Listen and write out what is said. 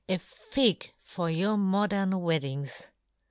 a fig for your modern weddings